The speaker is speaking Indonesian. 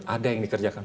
ada yang dikerjakan